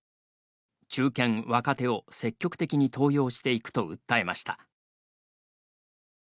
中堅・若手を積極的に登用していくと訴えました。